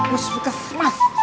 bawa aja nih dia ke mas